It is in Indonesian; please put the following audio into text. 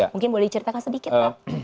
mungkin boleh diceritakan sedikit pak